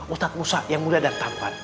utak musa yang muda dan tampan